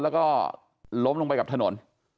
แล้วก็ล้มลงไปกับถนน